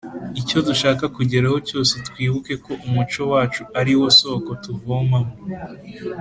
icyo dushaka kugeraho cyose, twibuke ko umuco wacu ari wo soko tuvomamo.